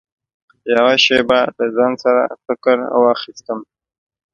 يوه شېبه له ځان سره فکر واخيستم .